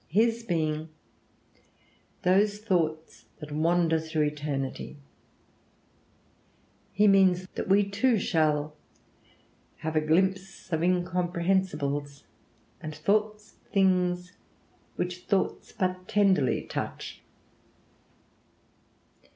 His being "Those thoughts that wander through eternity," he means that we too shall "have a glimpse of incomprehensibles, and thoughts of things which thoughts but tenderly touch."